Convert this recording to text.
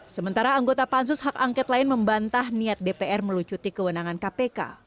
sementara anggota pansus hak angket lain membantah niat dpr melucuti kewenangan kpk